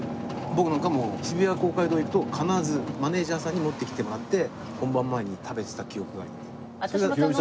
僕なんかも渋谷公会堂に行くと必ずマネージャーさんに持ってきてもらって本番前に食べていた記憶がある。